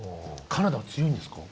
カナダは強いんですか？